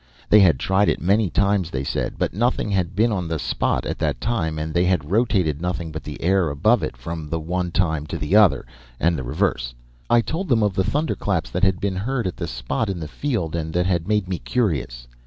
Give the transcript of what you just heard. "They had tried it many times, they said, but nothing had been on the spot at that time and they had rotated nothing but the air above it from the one time to the other, and the reverse. I told them of the thunderclaps that had been heard at the spot in the field and that had made me curious.